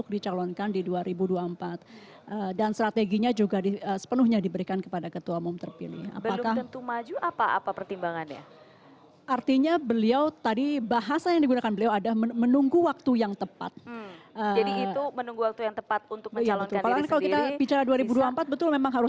kalau dari sekarang masih terlalu jauh